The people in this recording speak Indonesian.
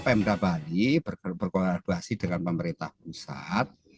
pemda bali berkolaborasi dengan pemerintah pusat